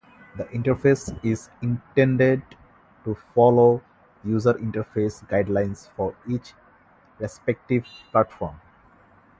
The interface is intended to follow user interface guidelines for each respective platform.